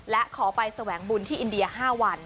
และขอไปแสวงบุญที่อินเดีย๕วัน